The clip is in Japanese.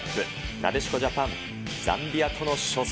なでしこジャパン、ザンビアとの初戦。